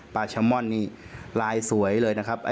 ชามอนนี่ลายสวยเลยนะครับ